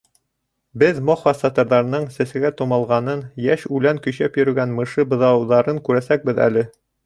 Беҙ мохва сатырҙарының сәскәгә тумалғанын, йәш үлән көйшәп көрәйгән мышы быҙауҙарын күрәсәкбеҙ әле.